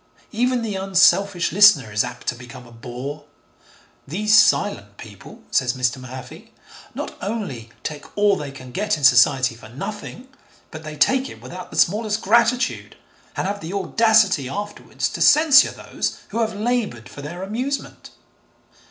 Even the unselfish listener is apt to become a bore. 'These silent people,' says Mr. Mahaffy, 'not only take all they can get in Society for nothing, but they take it without the smallest gratitude, and have the audacity afterwards to censure those who have laboured for their amusement.'